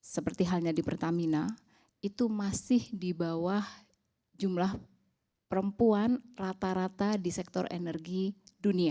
seperti halnya di pertamina itu masih di bawah jumlah perempuan rata rata di sektor energi dunia